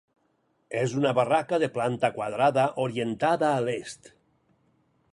És una barraca de planta quadrada orientada a l'est.